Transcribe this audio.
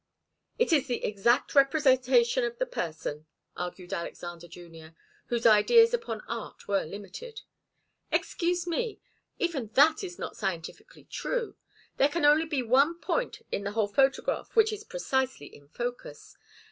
"It is the exact representation of the person," argued Alexander Junior, whose ideas upon art were limited. "Excuse me. Even that is not scientifically true. There can only be one point in the whole photograph which is precisely in focus.